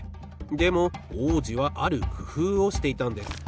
でも王子はあるくふうをしていたんです。